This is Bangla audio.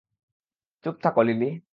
চুপ থাকো, লিলি।